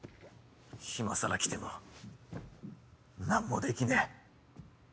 今更来ても何もできねえ。